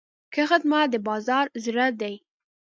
ښه خدمت د بازار زړه دی.